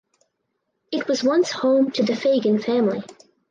It was once home to the Fagan family.